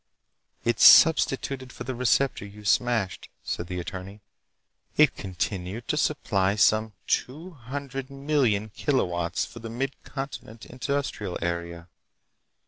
"It substituted for the receptor you smashed," said the attorney. "It continued to supply some two hundred million kilowatts for the Mid Continent industrial area.